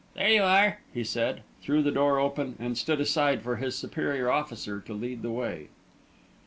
"There you are," he said, threw the door open, and stood aside for his superior officer to lead the way.